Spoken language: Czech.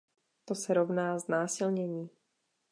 To se rovná znásilnění.